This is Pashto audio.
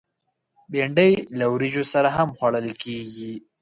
بېنډۍ له وریژو سره هم خوړل کېږي